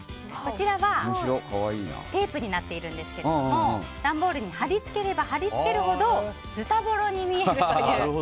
こちらはテープになっているんですけども段ボールに貼り付ければ貼り付けるほどズタボロに見えるという。